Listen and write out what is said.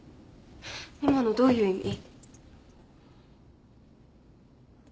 今のどういう意味？